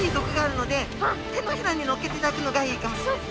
手のひらにのっけていただくのがいいかもしれないです。